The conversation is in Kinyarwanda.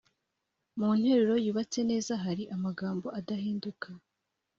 Mu nteruro yubatse neza hari amagambo adahinduka